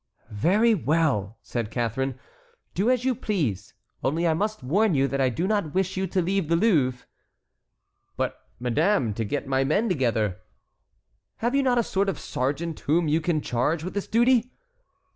"Very well," said Catharine; "do as you please. Only I must warn you that I do not wish you to leave the Louvre." "But, madame, to get my men together?" "Have you not a sort of sergeant whom you can charge with this duty?"